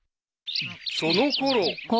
［そのころ］